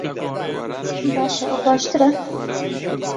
باشە، ئەوە باشترە؟